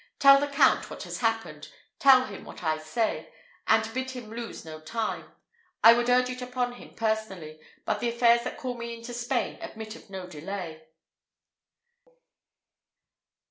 Tell the Count what has happened tell him what I say, and bid him lose no time I would urge it upon him personally, but the affairs that call me into Spain admit of no delay."